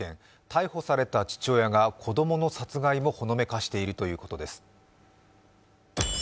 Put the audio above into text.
逮捕された父親が子供の殺害もほのめかしているということです。